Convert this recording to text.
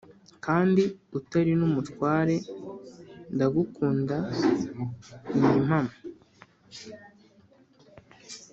Kandi utari n'umutware, ndagukunda ni impamo